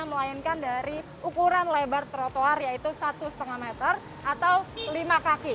melainkan dari ukuran lebar trotoar yaitu satu lima meter atau lima kaki